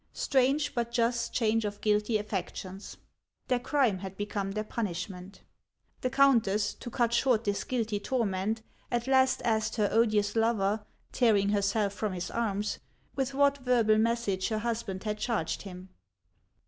Strange but just change of guilty affections ! Their crime had become their punishment. The countess, to cut short this guilty torment, at last asked her odious lover, tearing herself from his arms, with what verbal message her husband had charged him.